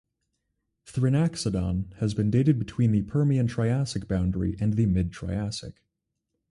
"Thrinaxodon" has been dated between the Permian-Triassic boundary and the mid-Triassic.